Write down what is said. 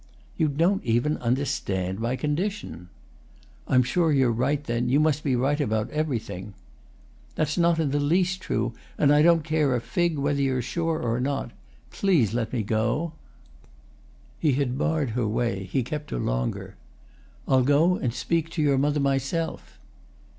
"You don't even understand my condition." "I'm sure you're right, then: you must be right about everything." "That's not in the least true, and I don't care a fig whether you're sure or not. Please let me go." He had barred her way, he kept her longer. "I'll go and speak to your mother myself!"